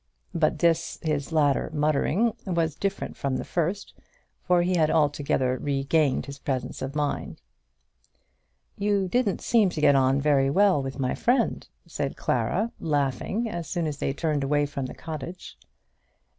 But this, his latter muttering, was different from the first, for he had altogether regained his presence of mind. "You didn't seem to get on very well with my friend," said Clara, laughing, as soon as they had turned away from the cottage.